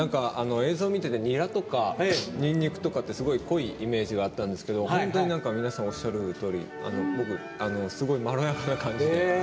映像を見ててニラとか、にんにくとかってすごい濃いイメージがあったんですけど本当に皆さんがおっしゃるとおりすごい、まろやかな感じ。